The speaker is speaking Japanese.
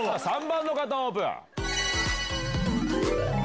３番の方オープン。